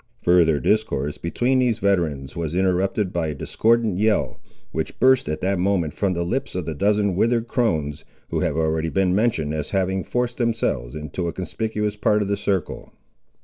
Further discourse, between these veterans, was interrupted by a discordant yell, which burst at that moment from the lips of the dozen withered crones, who have already been mentioned as having forced themselves into a conspicuous part of the circle.